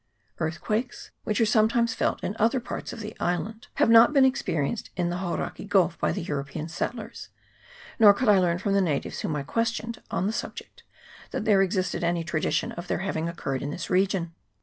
Earthquakes, which are sometimes felt in other parts of the island, have not been experienced in the Hauraki Gulf by the European settlers, nor could I learn from the natives whom I questioned on the subject that there existed any tradition of their having occurred in this region.